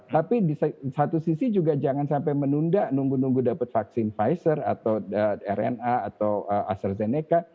tapi di satu sisi juga jangan sampai menunda nunggu nunggu dapat vaksin pfizer atau rna atau astrazeneca